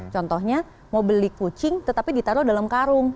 contohnya mau beli kucing tetapi ditaruh dalam karung